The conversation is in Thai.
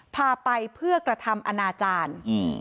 พาไปเพื่อกระทำอนาจารย์